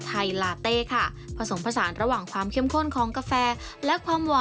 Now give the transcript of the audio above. แต่ของท่านก็จริงด้วยครับ